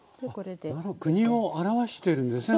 国を表してるんですね。